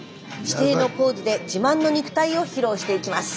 指定のポーズで自慢の肉体を披露していきます。